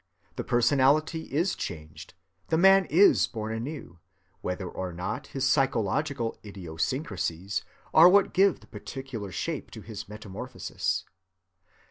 The personality is changed, the man is born anew, whether or not his psychological idiosyncrasies are what give the particular shape to his metamorphosis.